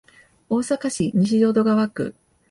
大阪市西淀川区